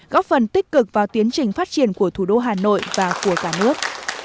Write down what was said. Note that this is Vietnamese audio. góp phần tích cực vào tiến trình phát triển của thủ đô hà nội và của cả nước